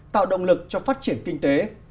tạo động lực cho phát triển kinh tế